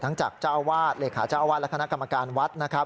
จากเจ้าวาดเลขาเจ้าอาวาสและคณะกรรมการวัดนะครับ